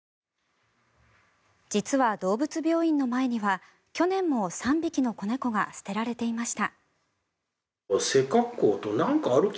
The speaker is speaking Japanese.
実は、動物病院の前には去年も３匹の子猫が捨てられていました。